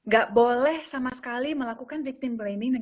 gak boleh sama sekali melakukan victim planning